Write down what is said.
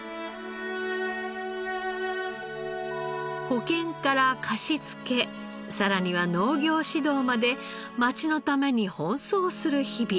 保険から貸し付けさらには農業指導まで街のために奔走する日々。